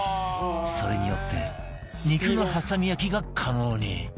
それによって肉の挟み焼きが可能に